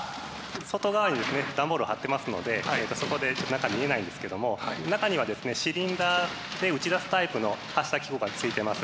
外側にですね段ボールを貼ってますのでそこで中見えないんですけども中にはですねシリンダーで打ち出すタイプの発射機構がついてます。